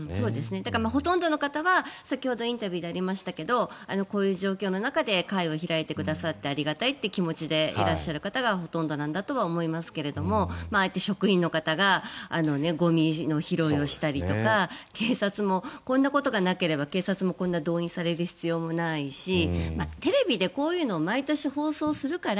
だから、ほとんどの方は先ほどインタビューでありましたがこういう状況の中で会を開いてくださってありがたいという気持ちでいらっしゃる方がほとんどなんだと思いますけどああやって職員の方がゴミ拾いをしたりとか警察もこんなことがなければ動員されることはないですしテレビで、こういうのを毎年放送するから